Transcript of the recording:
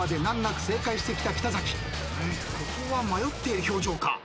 ここは迷っている表情か？